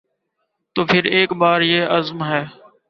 تو پھر ایک بار یہ عزم ہے